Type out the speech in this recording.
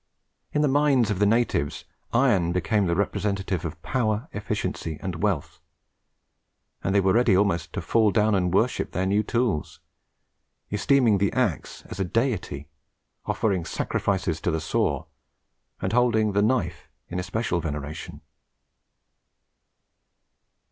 In the minds of the natives, iron became the representative of power, efficiency, and wealth; and they were ready almost to fall down and worship their new tools, esteeming the axe as a deity, offering sacrifices to the saw, and holding the knife in especial veneration.